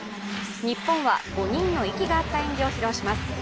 日本は５人の息が合った演技を披露します。